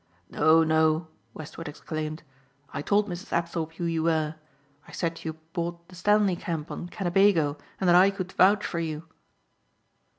"No, no," Westward exclaimed, "I told Mrs. Apthorpe who you were. I said you bought the Stanley camp on Kennebago and that I could vouch for you."